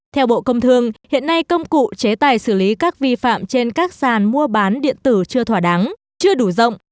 theo bộ công thương hiện nay công cụ chế tài xử lý các vi phạm trên các sàn mua bán điện tử chưa thỏa đáng chưa đủ rộng